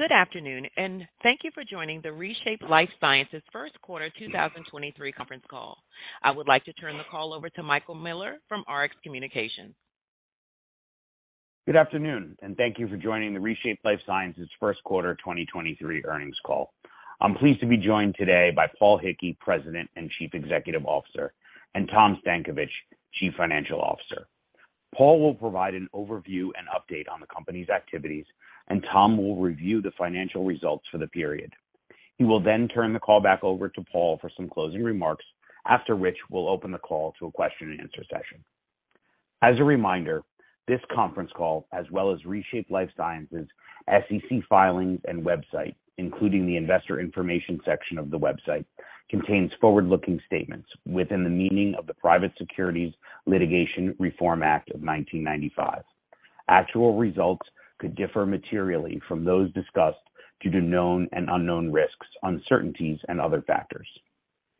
Good afternoon, and thank you for joining the ReShape Lifesciences first quarter 2023 conference call. I would like to turn the call over to Michael Miller from Rx Communications. Good afternoon, and thank you for joining the ReShape Lifesciences first quarter 2023 earnings call. I'm pleased to be joined today by Paul Hickey, President and Chief Executive Officer, and Tom Stankovich, Chief Financial Officer. Paul will provide an overview and update on the company's activities, and Tom will review the financial results for the period. He will then turn the call back over to Paul for some closing remarks, after which we'll open the call to a question-and-answer session. As a reminder, this conference call, as well as ReShape Lifesciences SEC filings and website, including the investor information section of the website, contains forward-looking statements within the meaning of the Private Securities Litigation Reform Act of 1995. Actual results could differ materially from those discussed due to known and unknown risks, uncertainties, and other factors.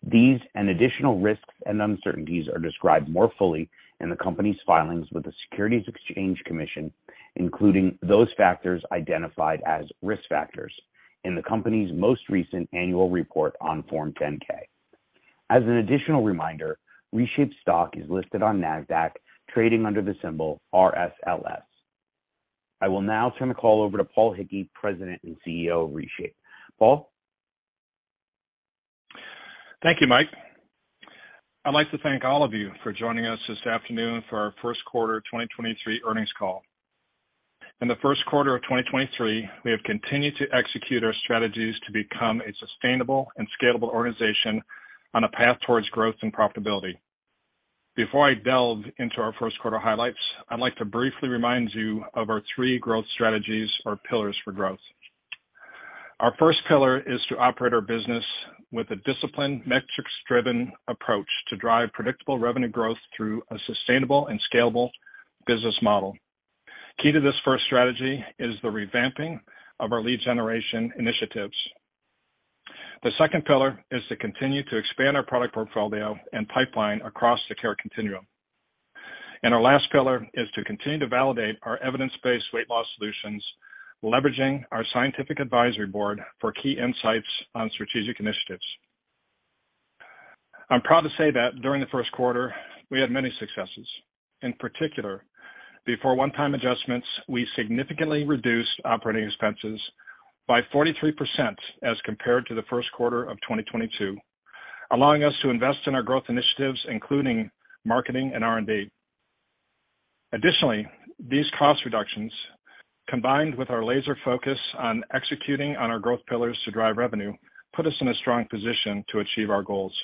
These and additional risks and uncertainties are described more fully in the company's filings with the Securities and Exchange Commission, including those factors identified as risk factors in the company's most recent annual report on Form 10-K. As an additional reminder, ReShape stock is listed on Nasdaq, trading under the symbol RSLS. I will now turn the call over to Paul Hickey, President and CEO of ReShape. Paul. Thank you, Mike. I'd like to thank all of you for joining us this afternoon for our first quarter of 2023 earnings call. In the first quarter of 2023, we have continued to execute our strategies to become a sustainable and scalable organization on a path towards growth and profitability. Before I delve into our first quarter highlights, I'd like to briefly remind you of our three growth strategies or pillars for growth. Our first pillar is to operate our business with a disciplined, metrics-driven approach to drive predictable revenue growth through a sustainable and scalable business model. Key to this first strategy is the revamping of our lead generation initiatives. The second pillar is to continue to expand our product portfolio and pipeline across the care continuum. Our last pillar is to continue to validate our evidence-based weight loss solutions, leveraging our scientific advisory board for key insights on strategic initiatives. I'm proud to say that during the first quarter, we had many successes. In particular, before one-time adjustments, we significantly reduced operating expenses by 43% as compared to the first quarter of 2022, allowing us to invest in our growth initiatives, including marketing and R&D. Additionally, these cost reductions, combined with our laser focus on executing on our growth pillars to drive revenue, put us in a strong position to achieve our goals.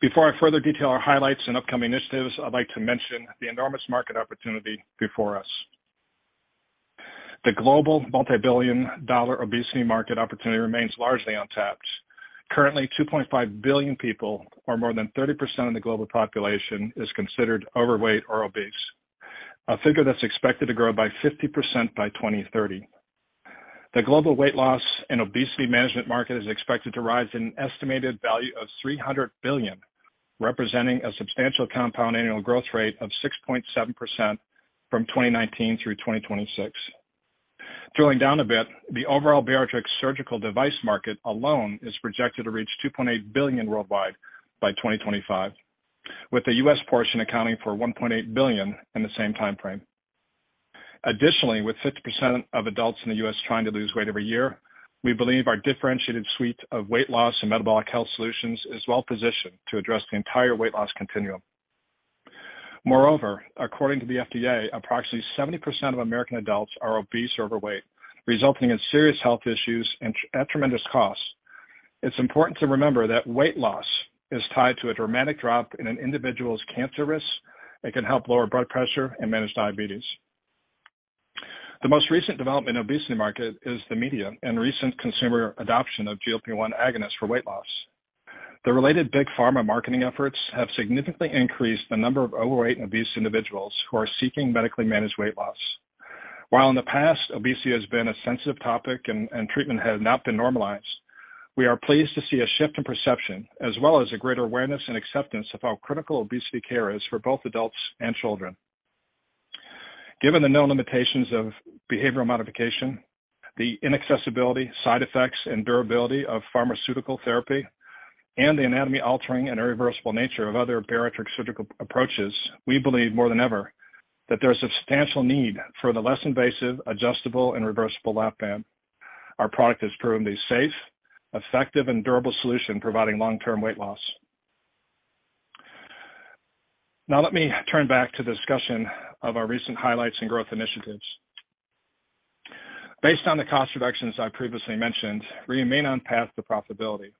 Before I further detail our highlights and upcoming initiatives, I'd like to mention the enormous market opportunity before us. The global multi-billion dollar obesity market opportunity remains largely untapped. Currently, 2.5 billion people, or more than 30% of the global population, is considered overweight or obese, a figure that's expected to grow by 50% by 2030. The global weight loss and obesity management market is expected to rise in an estimated value of $300 billion, representing a substantial compound annual growth rate of 6.7% from 2019 through 2026. Drilling down a bit, the overall bariatric surgical device market alone is projected to reach $2.8 billion worldwide by 2025, with the U.S. portion accounting for $1.8 billion in the same time frame. Additionally, with 50% of adults in the U.S. trying to lose weight every year, we believe our differentiated suite of weight loss and metabolic health solutions is well positioned to address the entire weight loss continuum. Moreover, according to the FDA, approximately 70% of American adults are obese or overweight, resulting in serious health issues and at tremendous costs. It's important to remember that weight loss is tied to a dramatic drop in an individual's cancer risk. It can help lower blood pressure and manage diabetes. The most recent development in obesity market is the media and recent consumer adoption of GLP-1 agonists for weight loss. The related big pharma marketing efforts have significantly increased the number of overweight and obese individuals who are seeking medically managed weight loss. While in the past, obesity has been a sensitive topic and treatment has not been normalized, we are pleased to see a shift in perception as well as a greater awareness and acceptance of how critical obesity care is for both adults and children. Given the known limitations of behavioral modification, the inaccessibility, side effects, and durability of pharmaceutical therapy, and the anatomy altering and irreversible nature of other bariatric surgical approaches, we believe more than ever that there's substantial need for the less invasive, adjustable, and reversible Lap-Band. Our product has proven to be safe, effective, and durable solution providing long-term weight loss. Let me turn back to the discussion of our recent highlights and growth initiatives. Based on the cost reductions I previously mentioned, we remain on path to profitability,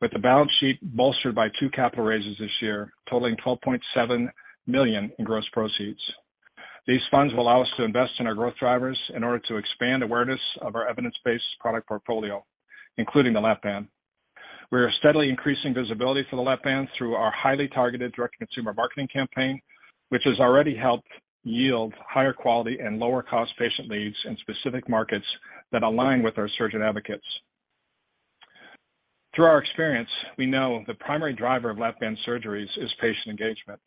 with the balance sheet bolstered by two capital raises this year, totaling $12.7 million in gross proceeds. These funds will allow us to invest in our growth drivers in order to expand awareness of our evidence-based product portfolio, including the Lap-Band. We are steadily increasing visibility for the Lap-Band through our highly targeted direct consumer marketing campaign, which has already helped yield higher quality and lower cost patient leads in specific markets that align with our surgeon advocates. Through our experience, we know the primary driver of Lap-Band surgeries is patient engagement.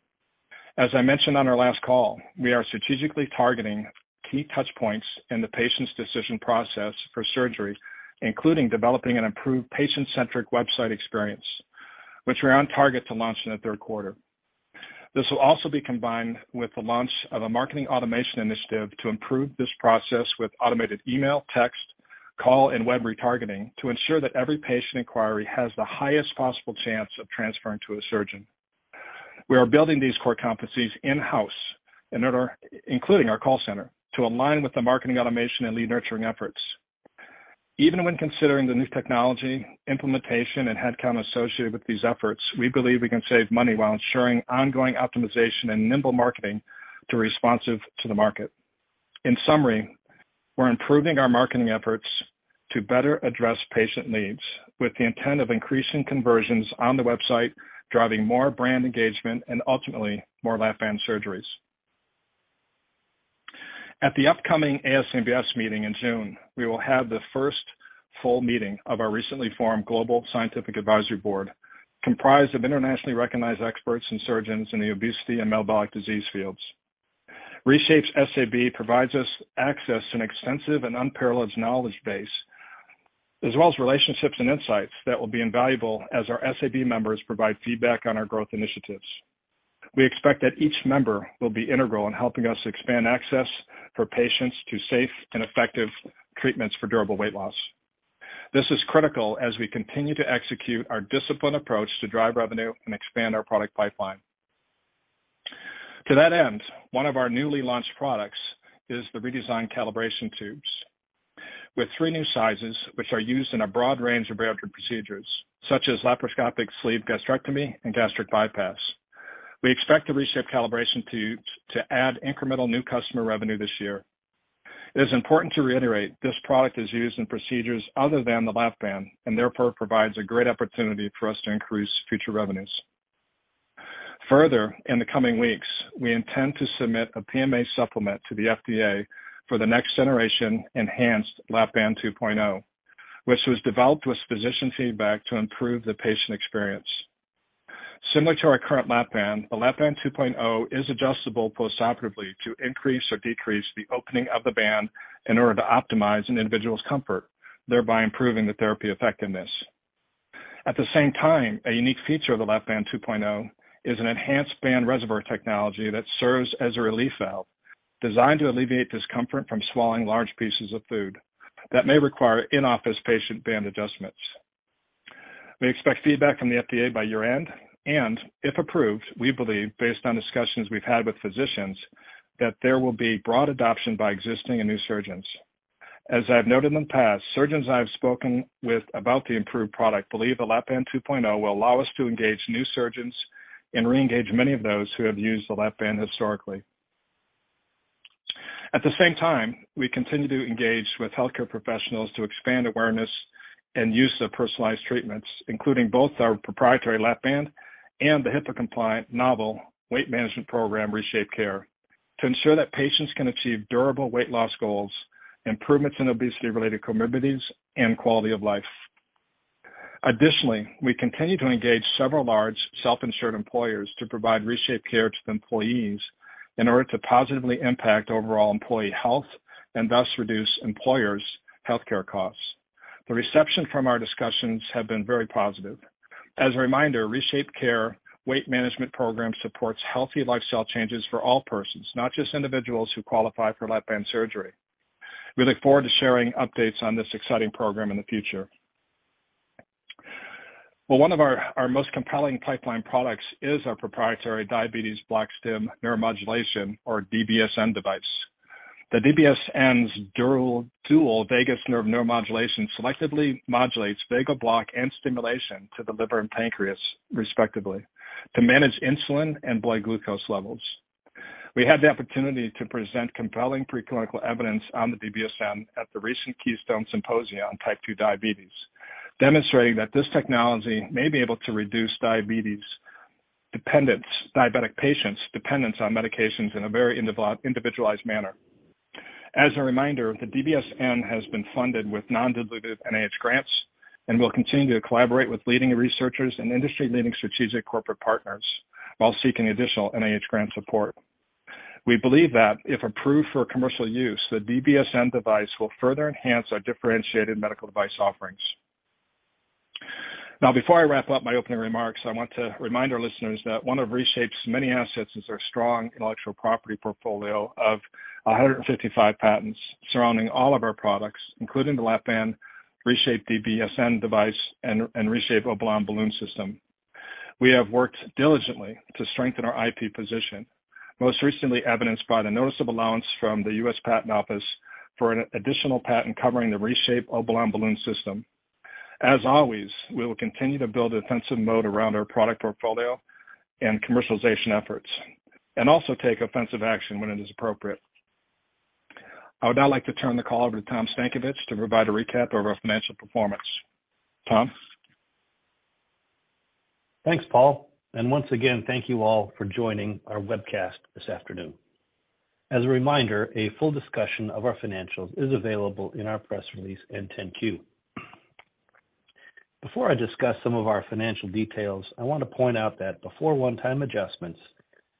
As I mentioned on our last call, we are strategically targeting key touch points in the patient's decision process for surgery, including developing an improved patient-centric website experience, which we're on target to launch in the third quarter. This will also be combined with the launch of a marketing automation initiative to improve this process with automated email, text, call, and web retargeting to ensure that every patient inquiry has the highest possible chance of transferring to a surgeon. We are building these core competencies in-house in order, including our call center, to align with the marketing automation and lead nurturing efforts. Even when considering the new technology implementation and headcount associated with these efforts, we believe we can save money while ensuring ongoing optimization and nimble marketing to responsive to the market. In summary, we're improving our marketing efforts to better address patient needs with the intent of increasing conversions on the website, driving more brand engagement and ultimately more Lap-Band surgeries. At the upcoming ASMBS meeting in June, we will have the first full meeting of our recently formed global scientific advisory board, comprised of internationally recognized experts and surgeons in the obesity and metabolic disease fields. ReShape's SAB provides us access to an extensive and unparalleled knowledge base, as well as relationships and insights that will be invaluable as our SAB members provide feedback on our growth initiatives. We expect that each member will be integral in helping us expand access for patients to safe and effective treatments for durable weight loss. This is critical as we continue to execute our disciplined approach to drive revenue and expand our product pipeline. To that end, one of our newly launched products is the redesigned ReShape Calibration Tubes with three new sizes, which are used in a broad range of bariatric procedures such as laparoscopic sleeve gastrectomy and gastric bypass. We expect the ReShape Calibration Tubes to add incremental new customer revenue this year. It is important to reiterate this product is used in procedures other than the Lap-Band, and therefore it provides a great opportunity for us to increase future revenues. Further, in the coming weeks, we intend to submit a PMA supplement to the FDA for the next generation enhanced Lap-Band 2.0, which was developed with physician feedback to improve the patient experience. Similar to our current Lap-Band, the Lap-Band 2.0 is adjustable postoperatively to increase or decrease the opening of the band in order to optimize an individual's comfort, thereby improving the therapy effectiveness. At the same time, a unique feature of the Lap-Band 2.0 is an enhanced band reservoir technology that serves as a relief valve designed to alleviate discomfort from swallowing large pieces of food that may require in-office patient band adjustments. We expect feedback from the FDA by year-end. If approved, we believe, based on discussions we've had with physicians, that there will be broad adoption by existing and new surgeons. As I've noted in the past, surgeons I have spoken with about the improved product believe the Lap-Band 2.0 will allow us to engage new surgeons and re-engage many of those who have used the Lap-Band historically. At the same time, we continue to engage with healthcare professionals to expand awareness and use of personalized treatments, including both our proprietary Lap-Band and the HIPAA compliant novel weight management program, ReShapeCare, to ensure that patients can achieve durable weight loss goals, improvements in obesity-related comorbidities, and quality of life. Additionally, we continue to engage several large self-insured employers to provide ReShapeCare to the employees in order to positively impact overall employee health and thus reduce employers' healthcare costs. The reception from our discussions have been very positive. As a reminder, ReShapeCare weight management program supports healthy lifestyle changes for all persons, not just individuals who qualify for Lap-Band surgery. We look forward to sharing updates on this exciting program in the future. One of our most compelling pipeline products is our proprietary Diabetes Bloc-Stim Neuromodulation, or DBSN device. The DBSN's dual vagus nerve neuromodulation selectively modulates vagal block and stimulation to the liver and pancreas, respectively, to manage insulin and blood glucose levels. We had the opportunity to present compelling preclinical evidence on the DBSN at the recent Keystone Symposia on Type 2 diabetes, demonstrating that this technology may be able to reduce diabetic patients' dependence on medications in a very individualized manner. As a reminder, the DBSN has been funded with non-dilutive NIH grants and will continue to collaborate with leading researchers and industry-leading strategic corporate partners while seeking additional NIH grant support. We believe that if approved for commercial use, the DBSN device will further enhance our differentiated medical device offerings. Before I wrap up my opening remarks, I want to remind our listeners that one of ReShape's many assets is our strong intellectual property portfolio of 155 patents surrounding all of our products, including the Lap-Band, ReShape DBSN device, and ReShape Obalon Balloon System. We have worked diligently to strengthen our IP position, most recently evidenced by the noticeable allowance from the U.S. Patent Office for an additional patent covering the ReShape Obalon Balloon System. As always, we will continue to build a defensive mode around our product portfolio and commercialization efforts and also take offensive action when it is appropriate. I would now like to turn the call over to Tom Stankovich to provide a recap of our financial performance. Tom? Thanks, Paul. Once again, thank you all for joining our webcast this afternoon. As a reminder, a full discussion of our financials is available in our press release in 10-Q. Before I discuss some of our financial details, I want to point out that before one-time adjustments,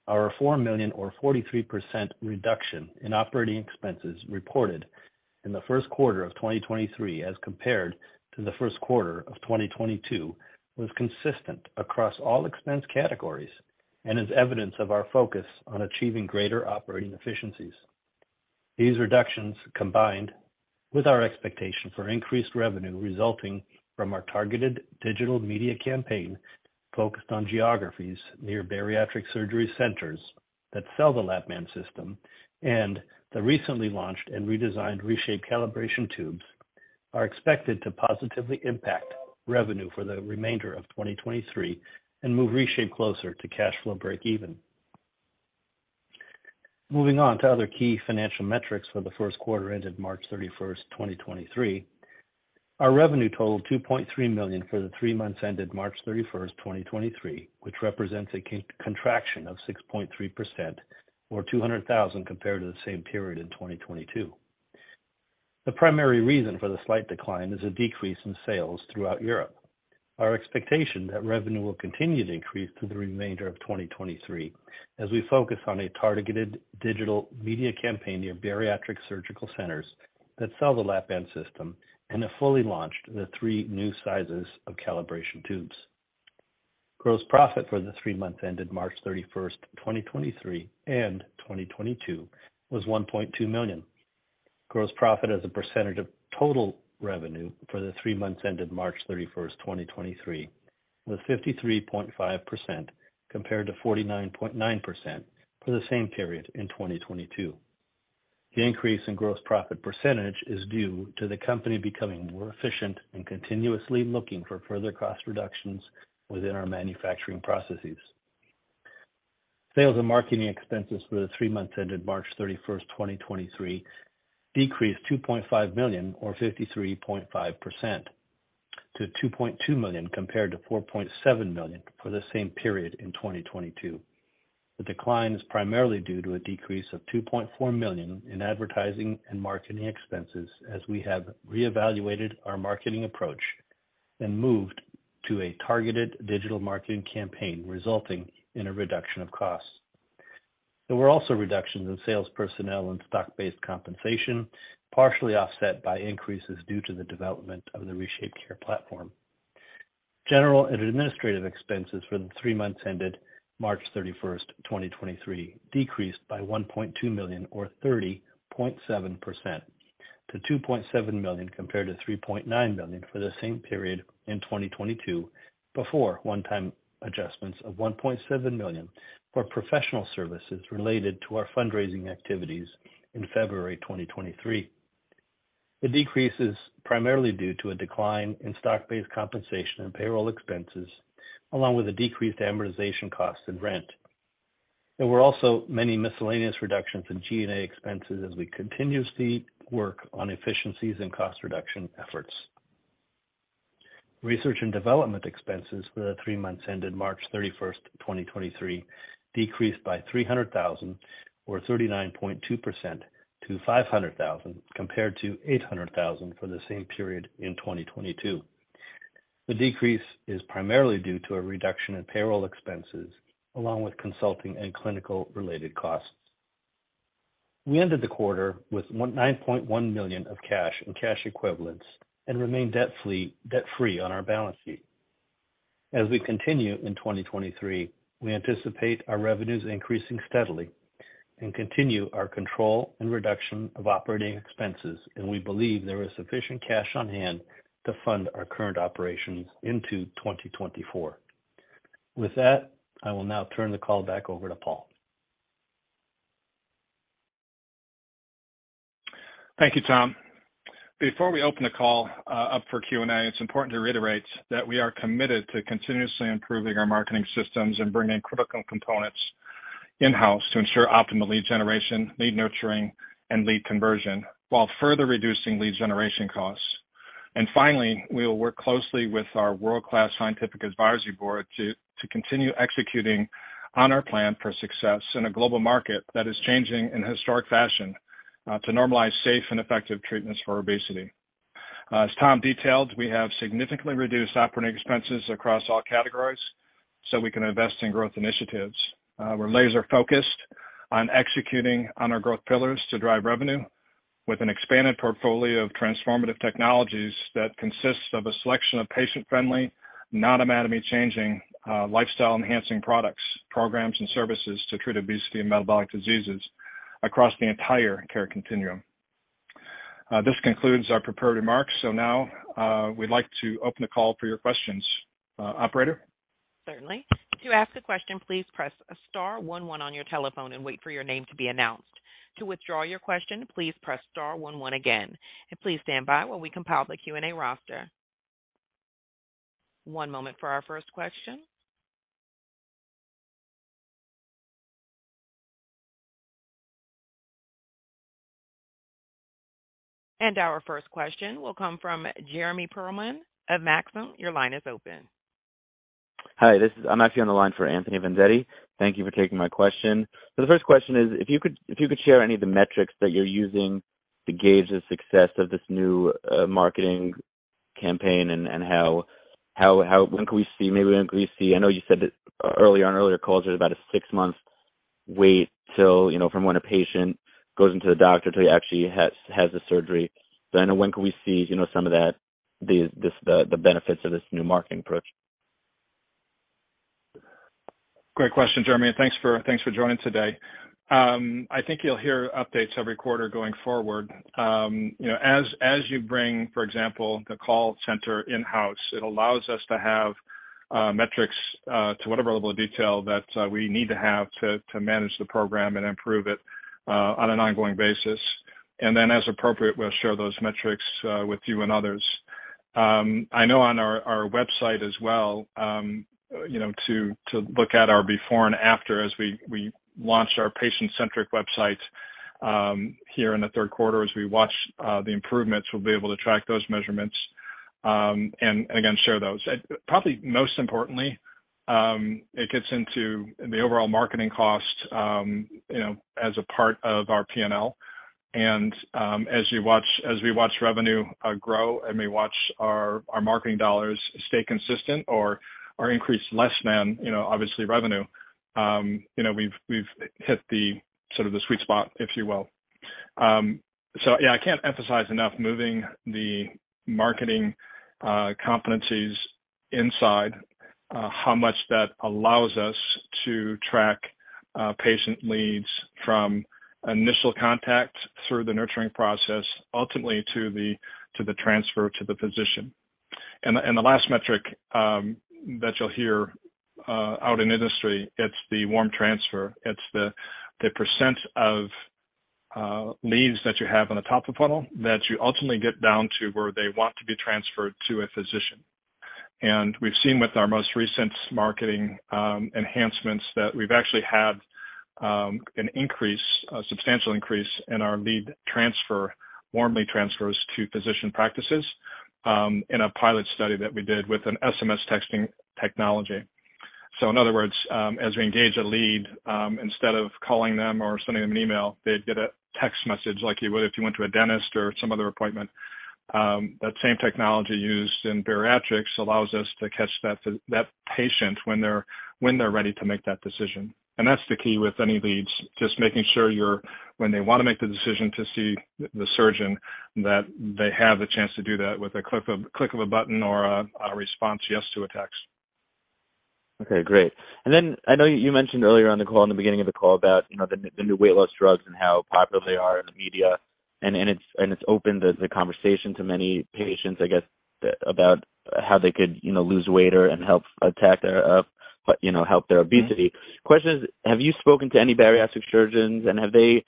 our $4 million or 43% reduction in operating expenses reported in the first quarter of 2023 as compared to the first quarter of 2022 was consistent across all expense categories and is evidence of our focus on achieving greater operating efficiencies. These reductions, combined with our expectation for increased revenue resulting from our targeted digital media campaign focused on geographies near bariatric surgery centers that sell the Lap-Band System and the recently launched and redesigned ReShape Calibration Tubes, are expected to positively impact revenue for the remainder of 2023 and move ReShape closer to cash flow break-even. Moving on to other key financial metrics for the first quarter ended March 31, 2023. Our revenue totaled $2.3 million for the three months ended March 31, 2023, which represents a contraction of 6.3% or $200,000 compared to the same period in 2022. The primary reason for the slight decline is a decrease in sales throughout Europe. Our expectation that revenue will continue to increase through the remainder of 2023 as we focus on a targeted digital media campaign near bariatric surgical centers that sell the Lap-Band System and have fully launched the three new sizes of Calibration Tubes. Gross profit for the three months ended March 31, 2023 and 2022 was $1.2 million. Gross profit as a percentage of total revenue for the three months ended March 31st, 2023 was 53.5% compared to 49.9% for the same period in 2022. The increase in gross profit percentage is due to the company becoming more efficient and continuously looking for further cost reductions within our manufacturing processes. Sales and marketing expenses for the three months ended March 31st, 2023 decreased $2.5 million or 53.5% to $2.2 million compared to $4.7 million for the same period in 2022. The decline is primarily due to a decrease of $2.4 million in advertising and marketing expenses as we have reevaluated our marketing approach and moved to a targeted digital marketing campaign, resulting in a reduction of costs. There were also reductions in sales personnel and stock-based compensation, partially offset by increases due to the development of the ReShapeCare Platform. General and administrative expenses for the three months ended March 31, 2023 decreased by $1.2 million or 30.7% to $2.7 million compared to $3.9 million for the same period in 2022. Before one-time adjustments of $1.7 million for professional services related to our fundraising activities in February 2023. The decrease is primarily due to a decline in stock-based compensation and payroll expenses, along with a decreased amortization cost and rent. There were also many miscellaneous reductions in G&A expenses as we continuously work on efficiencies and cost reduction efforts. Research and development expenses for the three months ended March 31st, 2023 decreased by $300,000 or 39.2% to $500,000 compared to $800,000 for the same period in 2022. The decrease is primarily due to a reduction in payroll expenses along with consulting and clinical related costs. We ended the quarter with $9.1 million of cash and cash equivalents and remain debt-free on our balance sheet. As we continue in 2023, we anticipate our revenues increasing steadily and continue our control and reduction of operating expenses, and we believe there is sufficient cash on hand to fund our current operations into 2024. With that, I will now turn the call back over to Paul. Thank you, Tom. Before we open the call up for Q&A, it's important to reiterate that we are committed to continuously improving our marketing systems and bringing critical components in-house to ensure optimal lead generation, lead nurturing, and lead conversion while further reducing lead generation costs. Finally, we will work closely with our world-class scientific advisory board to continue executing on our plan for success in a global market that is changing in historic fashion to normalize safe and effective treatments for obesity. As Tom detailed, we have significantly reduced operating expenses across all categories, we can invest in growth initiatives. We're laser-focused on executing on our growth pillars to drive revenue with an expanded portfolio of transformative technologies that consists of a selection of patient-friendly, non-anatomy changing, lifestyle enhancing products, programs and services to treat obesity and metabolic diseases across the entire care continuum. This concludes our prepared remarks. Now, we'd like to open the call for your questions. Operator? Certainly. To ask a question, please press star 11 on your telephone and wait for your name to be announced. To withdraw your question, please press star 11 again, and please stand by while we compile the Q&A roster. One moment for our first question. Our first question will come from Jeremy Pearlman of Maxim. Your line is open. Hi, I'm actually on the line for Anthony Vendetti. Thank you for taking my question. The first question is if you could share any of the metrics that you're using to gauge the success of this new marketing campaign and when can we see. I know you said that earlier on earlier calls there's about a six-month wait till, you know, from when a patient goes into the doctor till he actually has the surgery. I know when can we see, you know, some of the benefits of this new marketing approach? Great question, Jeremy, and thanks for joining today. I think you'll hear updates every quarter going forward. You know, as you bring, for example, the call center in-house, it allows us to have metrics to whatever level of detail that we need to have to manage the program and improve it on an ongoing basis. Then as appropriate, we'll share those metrics with you and others. I know on our website as well, you know, to look at our before and after as we launched our patient-centric website here in the third quarter. As we watch the improvements, we'll be able to track those measurements, and again, share those. Probably most importantly, it gets into the overall marketing cost, you know, as a part of our P&L. As we watch revenue grow, and we watch our marketing dollars stay consistent or are increased less than, you know, obviously revenue, you know, we've hit the sort of the sweet spot, if you will. So yeah, I can't emphasize enough moving the marketing competencies inside, how much that allows us to track patient leads from initial contact through the nurturing process, ultimately to the transfer to the physician. The last metric that you'll hear out in industry, it's the warm transfer. It's the percent of leads that you have on the top of funnel that you ultimately get down to where they want to be transferred to a physician. We've seen with our most recent marketing enhancements that we've actually had an increase, a substantial increase in our lead transfer, warmly transfers to physician practices in a pilot study that we did with an SMS texting technology. In other words, as we engage a lead, instead of calling them or sending them an email, they'd get a text message like you would if you went to a dentist or some other appointment. That same technology used in bariatrics allows us to catch that patient when they're ready to make that decision. That's the key with any leads, just making sure when they wanna make the decision to see the surgeon, that they have the chance to do that with a click of a button or a response yes to a text. Okay, great. I know you mentioned earlier on the call, in the beginning of the call about, you know, the new weight loss drugs and how popular they are in the media. It's opened the conversation to many patients, I guess, about how they could, you know, lose weight or, and help their, you know, help their obesity. Question is, have you spoken to any bariatric surgeons and have they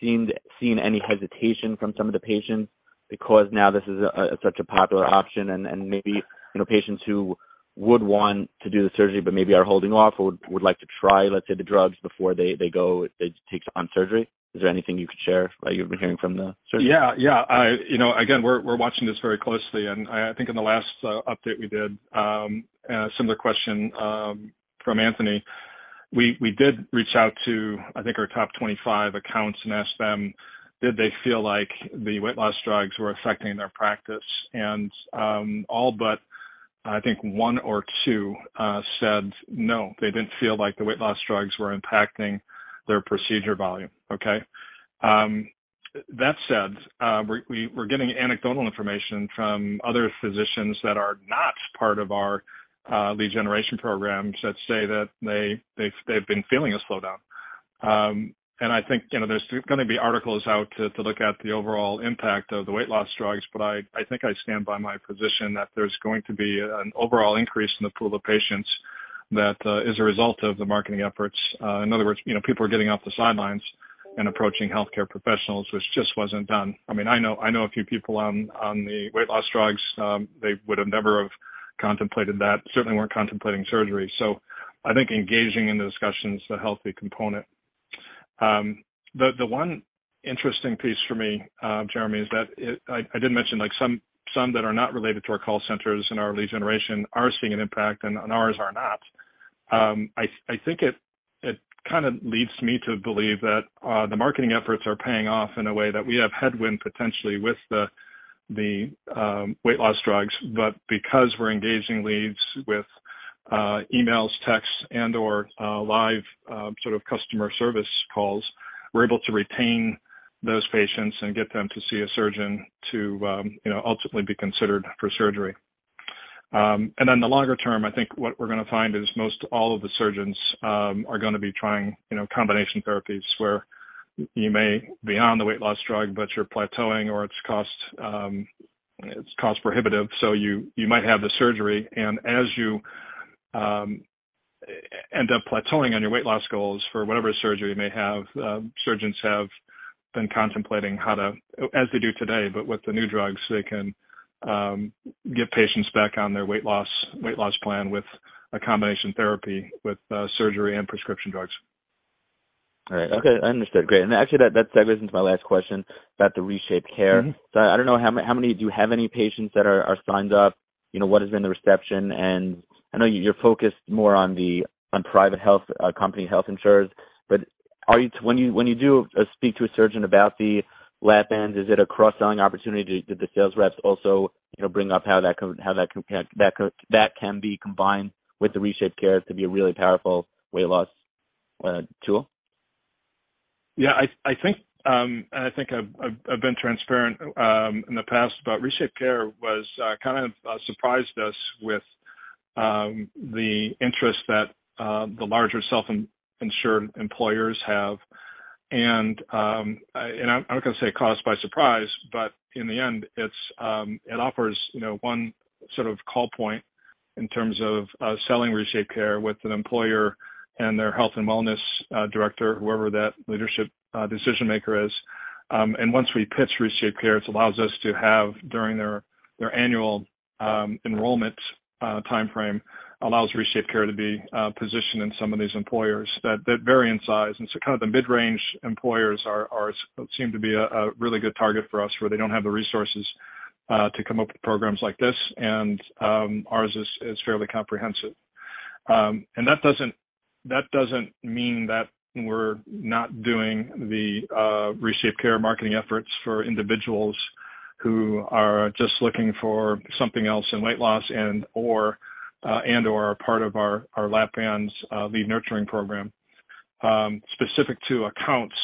seen any hesitation from some of the patients because now this is such a popular option and maybe, you know, patients who would want to do the surgery but maybe are holding off or would like to try, let's say, the drugs before they go, they take on surgery? Is there anything you could share that you've been hearing from the surgeons? Yeah. Yeah. I, you know, again, we're watching this very closely, and I think in the last update we did, a similar question from Anthony. We did reach out to I think our top 25 accounts and asked them did they feel like the weight loss drugs were affecting their practice. All but I think one or two said, no, they didn't feel like the weight loss drugs were impacting their procedure volume, okay? That said, we're getting anecdotal information from other physicians that are not part of our lead generation program that say that they've been feeling a slowdown. I think, you know, there's gonna be articles out to look at the overall impact of the weight loss drugs, but I think I stand by my position that there's going to be an overall increase in the pool of patients that is a result of the marketing efforts. In other words, you know, people are getting off the sidelines and approaching healthcare professionals, which just wasn't done. I mean, I know a few people on the weight loss drugs, they would have never have contemplated that, certainly weren't contemplating surgery. I think engaging in the discussion is the healthy component. The one interesting piece for me, Jeremy, is that I did mention like some that are not related to our call centers and our lead generation are seeing an impact, and ours are not. I think it kinda leads me to believe that the marketing efforts are paying off in a way that we have headwind potentially with the weight loss drugs. Because we're engaging leads with emails, texts, and/or live sort of customer service calls, we're able to retain those patients and get them to see a surgeon to, you know, ultimately be considered for surgery. The longer term, I think what we're gonna find is most all of the surgeons are gonna be trying, you know, combination therapies where you may be on the weight loss drug, but you're plateauing or it's cost, it's cost prohibitive, so you might have the surgery. As you end up plateauing on your weight loss goals for whatever surgery you may have, surgeons have been contemplating how to, as they do today, but with the new drugs, they can get patients back on their weight loss plan with a combination therapy with surgery and prescription drugs. All right. Okay. I understand. Great. Actually that segues into my last question about the ReShapeCare. I don't know how many do you have any patients that are signed up? You know, what has been the reception? I know you're focused more on private health, company health insurers, but are you when you do speak to a surgeon about the Lap-Band, is it a cross-selling opportunity? Do the sales reps also, you know, bring up how that can be combined with the ReShapeCare to be a really powerful weight loss tool? Yeah, I think I've been transparent in the past, but ReShapeCare was kind of surprised us with the interest that the larger self-insure employers have. I'm not gonna say caused by surprise, but in the end, it's, it offers, you know, one sort of call point in terms of selling ReShapeCare with an employer and their health and wellness director, whoever that leadership decision maker is. Once we pitch ReShapeCare, it allows us to have, during their annual enrollment timeframe, allows ReShapeCare to be positioned in some of these employers that vary in size. Kind of the mid-range employers are seem to be a really good target for us where they don't have the resources to come up with programs like this. Ours is fairly comprehensive. That doesn't mean that we're not doing the ReShapeCare marketing efforts for individuals who are just looking for something else in weight loss and or and or are part of our Lap-Bands lead nurturing program. Specific to accounts,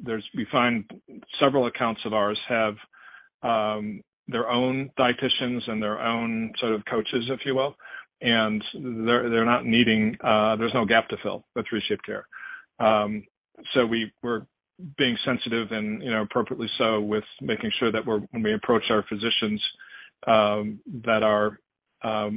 There's we find several accounts of ours have their own dieticians and their own sort of coaches, if you will. They're not needing, there's no gap to fill with ReShapeCare. We're being sensitive and, you know, appropriately so with making sure that when we approach our physicians that are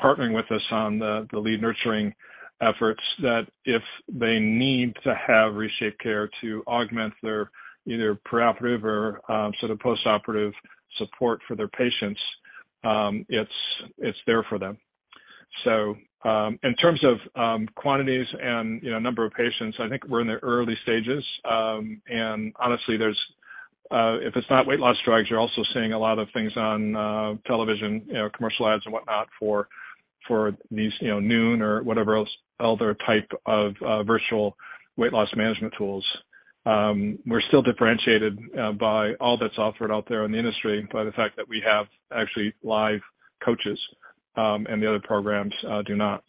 partnering with us on the lead nurturing efforts that if they need to have ReShapeCare to augment their either preoperative or sort of postoperative support for their patients, it's there for them. In terms of quantities and, you know, number of patients, I think we're in the early stages. And honestly, there's if it's not weight loss drugs, you're also seeing a lot of things on television, you know, commercial ads and whatnot for these, you know, Noom or whatever else, other type of virtual weight loss management tools. We're still differentiated by all that's offered out there in the industry by the fact that we have actually live coaches, and the other programs do not.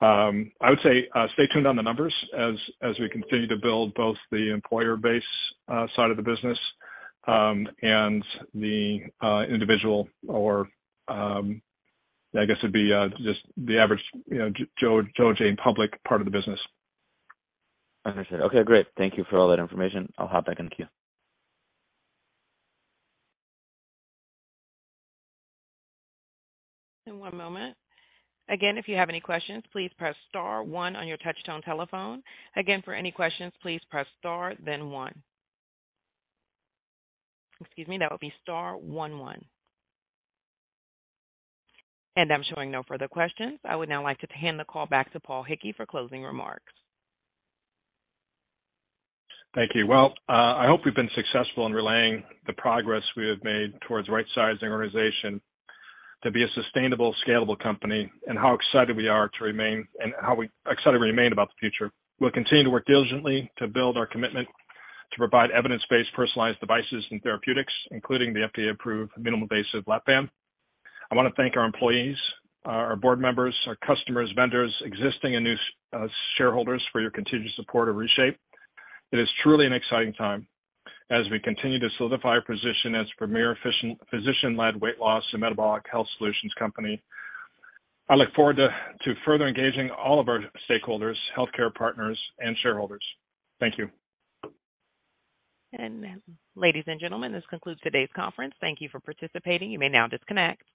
I would say stay tuned on the numbers as we continue to build both the employer base side of the business, and the individual or I guess it'd be just the average, you know, Joe and Jane Public part of the business. Understood. Okay, great. Thank you for all that information. I'll hop back in the queue. One moment. Again, if you have any questions, please press star one on your touch tone telephone. Again, for any questions, please press star, then one. Excuse me, that would be star 11. I'm showing no further questions. I would now like to hand the call back to Paul Hickey for closing remarks. Thank you. Well, I hope we've been successful in relaying the progress we have made towards rightsizing organization to be a sustainable, scalable company and how excited we are to remain and how excited we remain about the future. We'll continue to work diligently to build our commitment to provide evidence-based personalized devices and therapeutics, including the FDA-approved minimal invasive Lap-Band. I want to thank our employees, our board members, our customers, vendors, existing and new shareholders for your continued support of ReShape. It is truly an exciting time as we continue to solidify our position as premier physician-led weight loss and metabolic health solutions company. I look forward to further engaging all of our stakeholders, healthcare partners, and shareholders. Thank you. Ladies and gentlemen, this concludes today's conference. Thank you for participating. You may now disconnect.